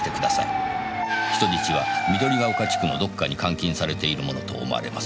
「人質は緑ヶ丘地区のどこかに監禁されているものと思われます」